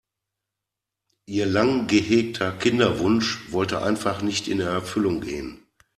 Ihr lang gehegter Kinderwunsch wollte einfach nicht in Erfüllung gehen.